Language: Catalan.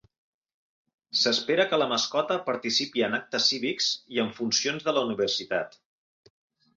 S"espera que la mascota participi en actes cívics i en funcions de la universitat.